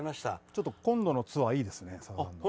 ちょっと今度のツアーいいですね。